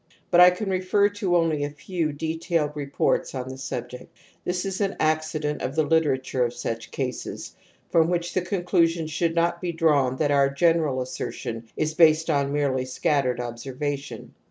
But I can refer to only a few detailed reports on the subject. This is an accident of the Hteratiu e of such caseSy from which the conclusion should not be drawn that our general assertion is based on merely scattered observation..